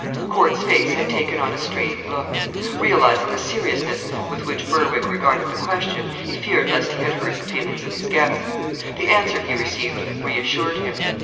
Corte's face had taken on a strained look. Realizing the seriousness with which Berwick regarded the question, he feared lest he had hurt the feelings of his guest. The answer he received reassured him.